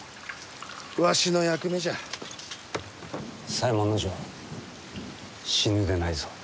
左衛門尉死ぬでないぞ。